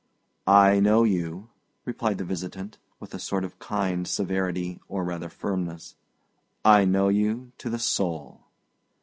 "I know you," replied the visitant, with a sort of kind severity or rather firmness. "I know you to the soul."